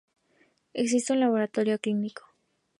Existe un laboratorio clínico.